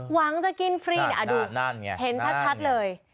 หวังจะกินฟรีเนี่ยดูเห็นชัดเลย